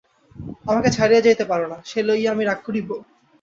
আমাকে ছাড়িয়া যাইতে পার না, সে লইয়া আমি রাগ করিব?